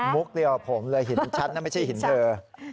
มุกเหลี่ยวผมเลยหินชัดนะไม่ใช่หินเหลือ